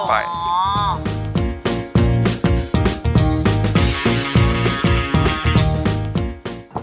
น้อยลงอ๋อ